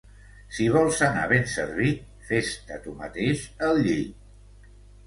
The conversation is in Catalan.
Si vols anar ben servit, fes-te tu mateix el llit.